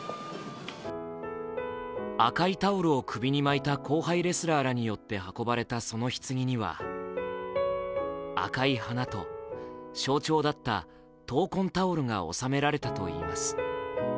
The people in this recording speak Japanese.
赤いタオルを首に巻いた後輩レスラーらによって運ばれたそのひつぎには赤い花と、象徴だった闘魂タオルが納められたといいます。